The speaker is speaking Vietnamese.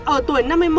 ở tuổi năm mươi một